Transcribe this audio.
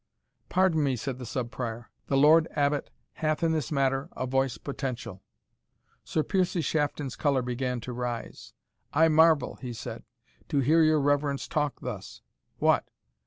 "Pardon me," said the Sub Prior; "the Lord Abbot hath in this matter a voice potential." Sir Piercie Shafton's colour began to rise "I marvel," he said, "to hear your reverence talk thus What!